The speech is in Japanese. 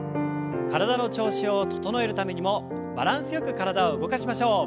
体の調子を整えるためにもバランスよく体を動かしましょう。